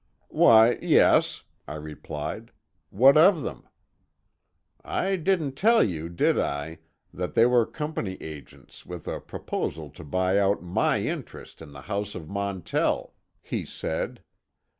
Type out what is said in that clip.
"Why, yes," I replied. "What of them?" "I didn't tell you, did I, that they were Company agents with a proposal to buy out my interest in the house of Montell," he said.